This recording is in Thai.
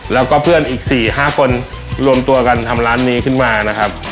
แล้วก็เพื่อนอีก๔๕คนรวมตัวกันทำร้านนี้ขึ้นมานะครับ